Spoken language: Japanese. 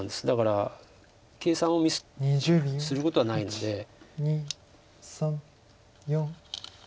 だから計算をミスすることはないので。